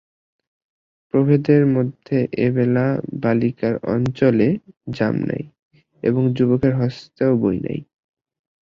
প্রভেদের মধ্যে এবেলা বালিকার অঞ্চলে জাম নাই এবং যুবকের হস্তেও বই নাই।